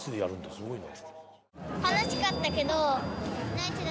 すごいね！